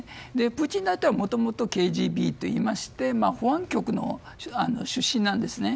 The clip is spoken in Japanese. プーチン大統領はもともとＫＧＢといいまして保安局の出身なんですね。